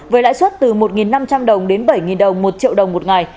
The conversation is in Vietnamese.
với lãi suất từ một năm trăm linh đồng đến bảy đồng một triệu đồng một ngày